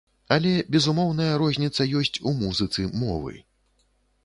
Але безумоўная розніца ёсць у музыцы мовы.